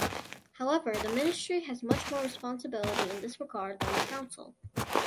However, the ministry has much more responsibility in this regard than the council.